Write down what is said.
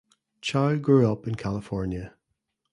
Chow grew up in California.